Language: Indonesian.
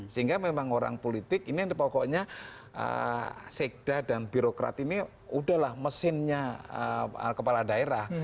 sehingga memang orang politik ini pokoknya sekda dan birokrat ini udahlah mesinnya kepala daerah